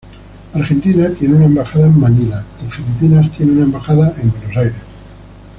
Argentina tiene una embajada en Manila, y Filipinas tiene una embajada en Buenos Aires.